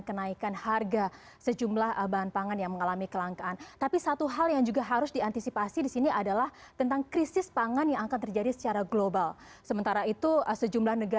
kita melihat di sini peran